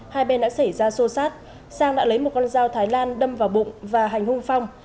hai bên đã xảy ra xô xát sang đã lấy một con dao thái lan đâm vào bụng và hành hung phong